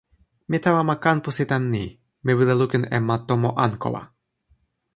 mi tawa ma Kanpusi tan ni: mi wile lukin e ma tomo Ankowa.